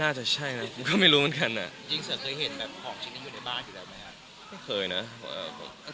น่าจะใช่นะผมก็ไม่รู้เหมือนกัน